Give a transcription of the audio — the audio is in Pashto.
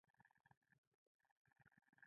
د پيسو ګټلو توقع مو څنګه پر حقيقت بدلوي؟